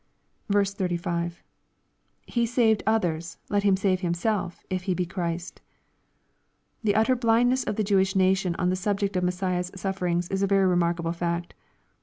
35. — [He saved others ; let him save himself^ if he he Christ.'] The utter bUndness of the Jewish nation on the subject of Messiah's sufierings is a very remarkable fact.